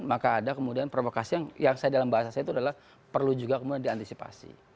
maka ada kemudian provokasi yang saya dalam bahasa saya itu adalah perlu juga kemudian diantisipasi